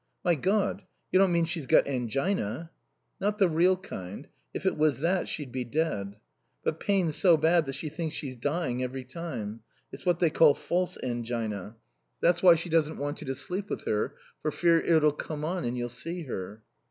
"My God you don't mean she's got angina?" "Not the real kind. If it was that she'd be dead. But pain so bad that she thinks she's dying every time. It's what they call false angina. That's why she doesn't want you to sleep with her, for fear it'll come on and you'll see her."